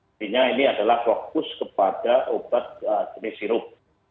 artinya ini adalah fokus kepada obat jenis sirup